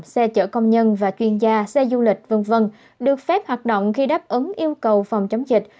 xe chở công nhân và chuyên gia xe du lịch v v được phép hoạt động khi đáp ứng yêu cầu phòng chống dịch